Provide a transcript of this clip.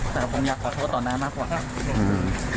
แต่ผมอยากขอโทษต่อน้ามากกว่าครับ